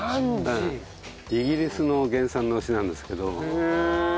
イギリスの原産の牛なんですけど。